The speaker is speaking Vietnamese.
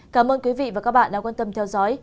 cảm ơn quý vị và các bạn đã quan tâm theo dõi